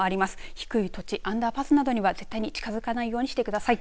低い土地、アンダーパスなどには絶対に近づかないようにしてください。